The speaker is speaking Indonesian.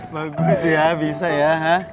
bagus ya bisa ya